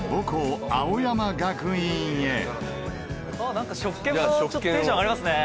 なんか食券もテンションが上がりますね！